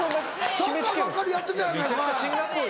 サッカーばっかりやってたやないかい。